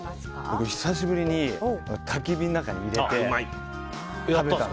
僕は、久しぶりにたき火の中に入れて。